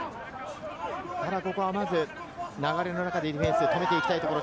ここはまず、流れの中でディフェンスを止めていきたいところ。